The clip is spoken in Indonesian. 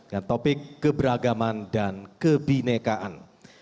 dan topik keberagaman dan kebinekaan